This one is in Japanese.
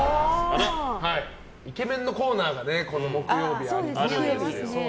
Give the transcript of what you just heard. イケメンのコーナーが木曜日はありますので。